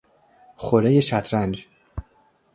خورهی شطرنج